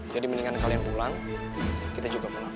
jadi mendingan kalian pulang kita juga pulang